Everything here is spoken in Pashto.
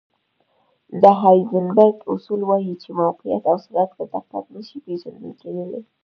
د هایزنبرګ اصول وایي چې موقعیت او سرعت په دقت نه شي پېژندل کېدلی.